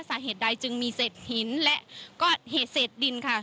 สาเหตุใดจึงมีเศษหินและก็เหตุเศษดินค่ะ